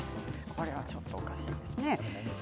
これはちょっとおかしいですね。